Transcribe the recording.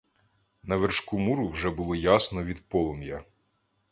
На вершку муру вже було ясно від полум'я.